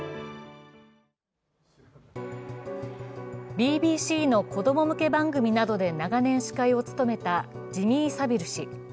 ＢＢＣの子供向け番組などで長年、司会を務めたジミー・サヴィル氏。